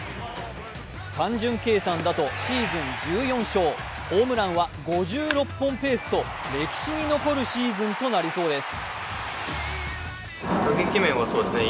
単純計算だとシーズン１４勝、ホームランは５６本ペースと歴史に残るシーズンとなりそうです。